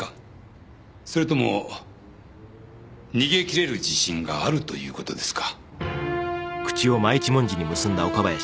それとも逃げきれる自信があるということですか？